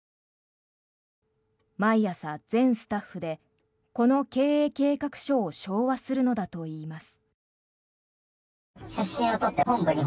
毎朝、全スタッフでこの経営計画書を唱和するのだといいます。